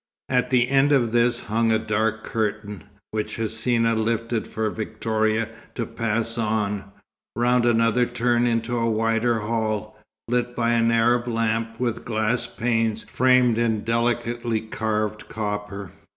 At the end of this hung a dark curtain, which Hsina lifted for Victoria to pass on, round another turn into a wider hall, lit by an Arab lamp with glass panes framed in delicately carved copper.